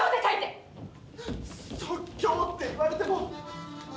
即興って言われても。